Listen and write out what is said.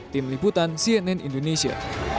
tim liputan cnn indonesia